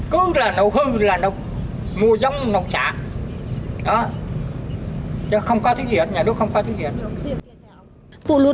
cứ là nổ hư là nổ mua giống nổ xạ